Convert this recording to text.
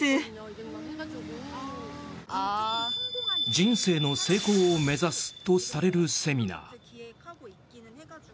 人生の成功を目指すとされるセミナー。